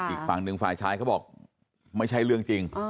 อีกฝั่งหนึ่งฝ่ายชายเขาบอกไม่ใช่เรื่องจริง